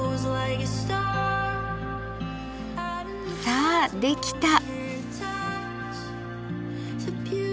さあできた！